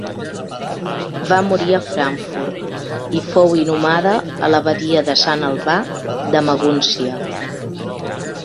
Va morir a Frankfurt i fou inhumada a l'abadia de Sant Albà de Magúncia.